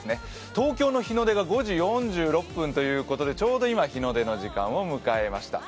東京の日の出が５時４６分ということでちょうど今、日の出の時間を迎えました。